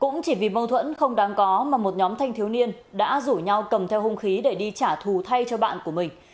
cũng chỉ vì mâu thuẫn không đáng có mà một nhóm thanh thiếu niên đã rủ nhau cầm theo hung khí để đi trả thù thay cho bạn của mình